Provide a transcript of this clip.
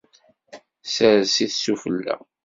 Sers-it sufella.